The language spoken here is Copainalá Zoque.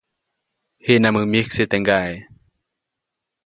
Jiʼnamuŋ myiksi teʼ kaʼe.